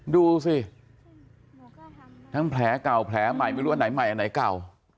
ดูสิทั้งแผลเก่าแผลใหม่ไม่รู้ว่าอันไหนใหม่อันไหนเก่า